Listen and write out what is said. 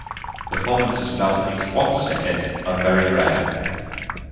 Performances without at least one snippet are very rare.